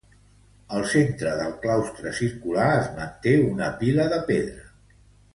Al centre del claustre circular, es manté una pila de pedra.